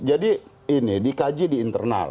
jadi ini dikaji di internal